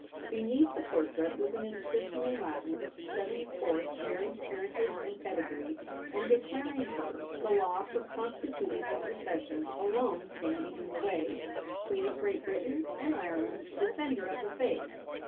Beneath the portrait was an inscription in Latin, set ting forth Mar)''s parentage and pedigree, and declaring her —' the law for constituting the succession alone standing in the way '— Queen of Great Britain and Ireland, Defender of the Faith.